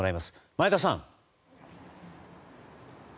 前田さん。